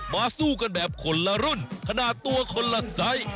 สู้กันแบบคนละรุ่นขนาดตัวคนละไซส์